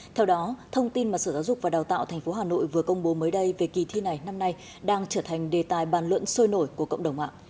theo đó thông tin mà sở giáo dục và đào tạo tp hà nội vừa công bố mới đây về kỳ thi này năm nay đang trở thành đề tài bàn luận sôi nổi của cộng đồng ạ